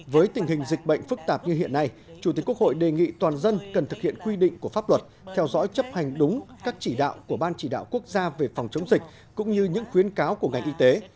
với tình hình dịch bệnh phức tạp như hiện nay chủ tịch quốc hội đề nghị toàn dân cần thực hiện quy định của pháp luật theo dõi chấp hành đúng các chỉ đạo của ban chỉ đạo quốc gia về phòng chống dịch cũng như những khuyến cáo của ngành y tế